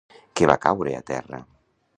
Què va caure a terra?